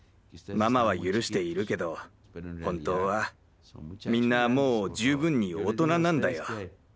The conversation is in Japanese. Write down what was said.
ママは許しているけど本当はみんなもう十分に大人なんだよ。